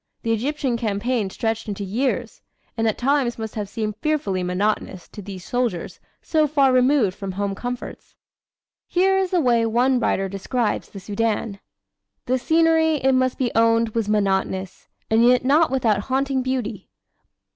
The Egyptian campaign stretched into years, and at times must have seemed fearfully monotonous to these soldiers so far removed from home comforts. Here is the way one writer describes the Soudan: "The scenery, it must be owned, was monotonous, and yet not without haunting beauty.